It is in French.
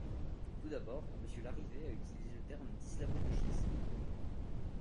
Tout d’abord, monsieur Larrivé a utilisé le terme d’islamo-gauchisme.